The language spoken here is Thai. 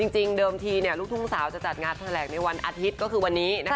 เดิมทีลูกทุ่งสาวจะจัดงานแถลงในวันอาทิตย์ก็คือวันนี้